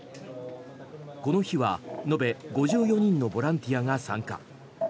この日は、延べ５４人のボランティアが参加。